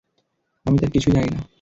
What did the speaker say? আমি তার কিছুই জানি না।